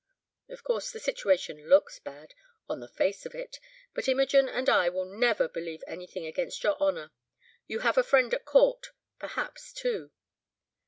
Of course the situation looks bad, on the face of it, but Imogen and I will never believe anything against your honour. You have a friend at court, perhaps two."